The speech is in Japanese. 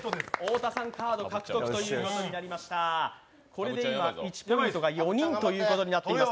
これで１ポイントが４人ということになっています。